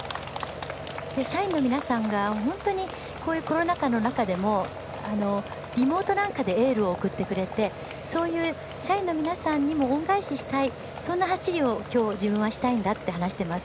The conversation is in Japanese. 社員の皆さんがコロナ禍の中でもリモートなんかでエールを送ってくれてそういう社員の皆さんにも恩返ししたいそんな走りをきょう自分はしたいんだって話をしています。